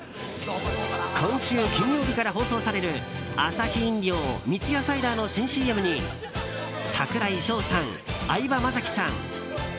今週金曜日から放送されるアサヒ飲料、三ツ矢サイダーの新ＣＭに櫻井翔さん、相葉雅紀さんＨｅｙ！